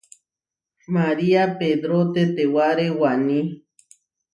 Maria pedro tetewáre waní.